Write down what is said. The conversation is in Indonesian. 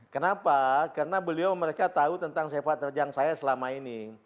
kenapa karena beliau mereka tahu tentang sepak terjang saya selama ini